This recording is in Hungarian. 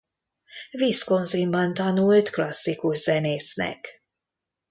Wisconsinban tanult klasszikus zenésznek.